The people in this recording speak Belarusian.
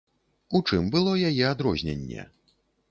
У чым было яе адрозненне?